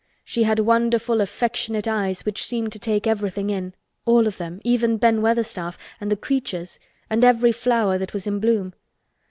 She had wonderful affectionate eyes which seemed to take everything in—all of them, even Ben Weatherstaff and the "creatures" and every flower that was in bloom.